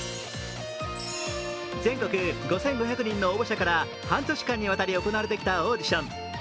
全国５５００人の応募者から、半年間にわたり行われてきたオーディション。